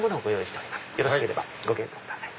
よろしければご検討ください。